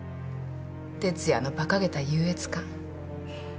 哲弥の馬鹿げた優越感。